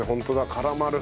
絡まる。